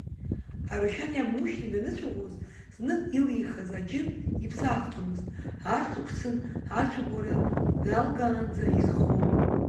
Арушьан иаб Мушьни даныцәаӷәоз, знык илихыз аҷын иԥсахӡомызт ашықәсан, ацәаӷәара даалгаанӡа изхон.